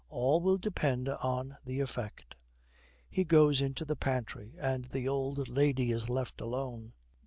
All will depend on the effect.' He goes into the pantry, and the old lady is left alone.